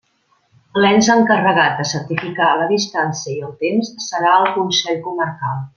L'ens encarregat de certificar la distància i el temps serà el Consell Comarcal.